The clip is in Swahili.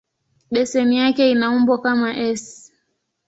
Beseni yake ina umbo kama "S".